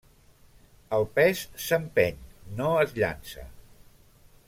El pes s'empeny, no es llança.